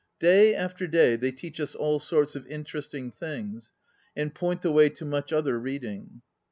Day after day they teach us all sorts of interesting things and point the way to much other reading.